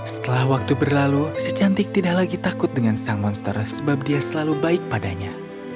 setelah waktu berlalu si cantik tidak lagi takut dengan sang monster sebab dia selalu baik padanya